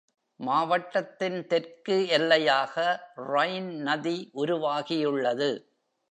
மாவட்டத்தின் தெற்கு எல்லையாக Rhine நதி உருவாகியுள்ளது.